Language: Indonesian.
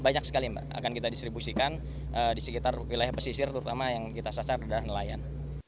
banyak sekali mbak akan kita distribusikan di sekitar wilayah pesisir terutama yang kita sasar adalah nelayan